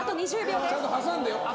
ちゃんと挟んでよ。